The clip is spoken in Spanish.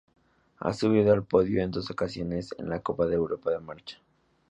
Ha subido al podio en dos ocasiones en la Copa de Europa de Marcha.